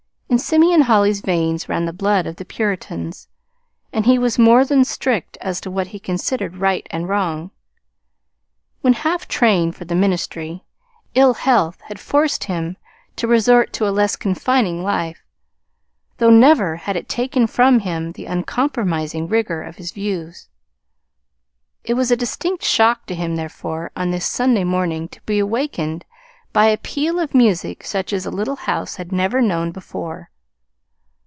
In Simeon Holly's veins ran the blood of the Puritans, and he was more than strict as to what he considered right and wrong. When half trained for the ministry, ill health had forced him to resort to a less confining life, though never had it taken from him the uncompromising rigor of his views. It was a distinct shock to him, therefore, on this Sunday morning to be awakened by a peal of music such as the little house had never known before.